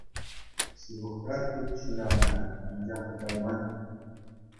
Ҫывӑхра пӳрт шыранӑ-ха, анчах тупайман.